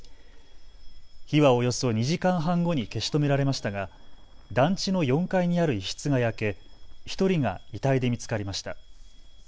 火はおよそ２時間半後に消し止められましたが団地の４階にある一室が焼け１人が遺体で見つかりました。